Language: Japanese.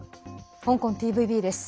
香港ＴＶＢです。